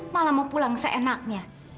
malah mau pulang seenaknya